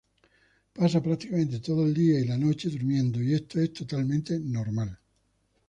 Pasa prácticamente todo el día y la noche durmiendo y esto es totalmente normal.